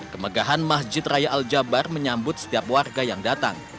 kemegahan masjid raya al jabar menyambut setiap warga yang datang